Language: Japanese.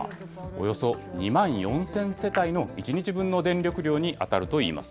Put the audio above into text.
およそ２万４０００世帯の１日分の電力量に当たるといいます。